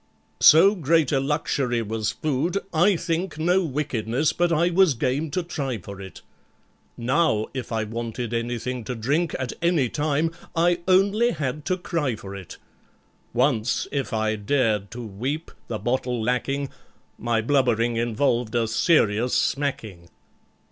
"So great a luxury was food, I think No wickedness but I was game to try for it. Now if I wanted anything to drink At any time, I only had to cry for it! Once, if I dared to weep, the bottle lacking, My blubbering involved a serious smacking!